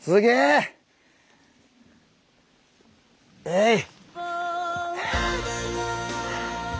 えい！